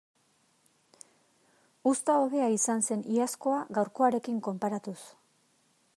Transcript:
Uzta hobea izan zen iazkoa gaurkoarekin konparatuz.